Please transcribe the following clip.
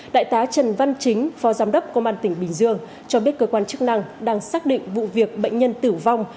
đại tá trần văn chính phó giám đốc công an tỉnh bình dương cho biết cơ quan chức năng đang xác định vụ việc bệnh nhân tử vong